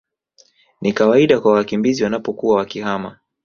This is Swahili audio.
ni kawaida kwa wakimbizi wanapokuwa wakihama